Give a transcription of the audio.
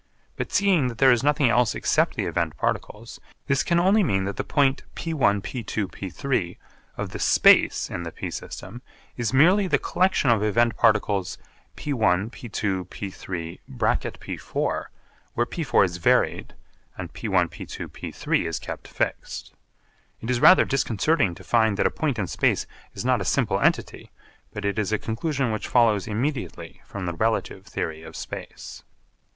But seeing that there is nothing else except the event particles, this can only mean that the point (p₁, p₂, p₃) of the space in the p system is merely the collection of event particles (p₁, p₂, p₃, [p₄]), where p₄ is varied and (p₁, p₂, p₃) is kept fixed. It is rather disconcerting to find that a point in space is not a simple entity; but it is a conclusion which follows immediately from the relative theory of space.